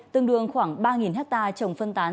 tương đương khoảng ba ha trồng phân tán